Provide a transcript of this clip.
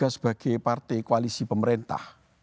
sebagai partai koalisi pemerintah